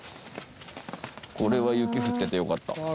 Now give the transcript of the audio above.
これは雪降っててよかった。